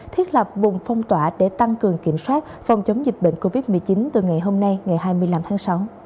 thiết lập vùng phong tỏa để tăng cường kiểm soát phòng chống dịch bệnh covid một mươi chín từ ngày hôm nay ngày hai mươi năm tháng sáu